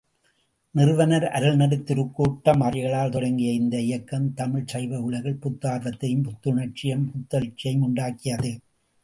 நிறுவனர் அருள்நெறித் திருக்கூட்டம் அடிகளார் தொடங்கிய இந்த இயக்கம் தமிழ்ச்சைவ உலகில் புத்தார்வத்தையும், புத்துணர்ச்சியையும், புத்தெழுச்சியையும் உண்டாக்கியது.